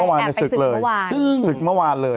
แอบไปศึกเมื่อวาน